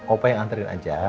opah yang antarin aja